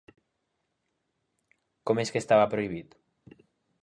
Com és que estava prohibit?